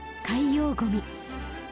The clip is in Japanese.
海洋ゴミ。